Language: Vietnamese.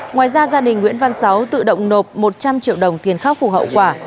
ngoài ra gia đình nguyễn văn sáu tự động nộp một trăm linh triệu đồng tiền khắc phục hậu quả